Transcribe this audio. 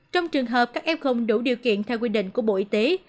trong trường hợp các f đủ điều kiện theo quy định của bộ y tế